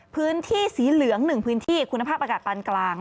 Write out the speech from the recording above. พื้นที่สีเหลือง๑พื้นที่คุณภาพอากาศปานกลาง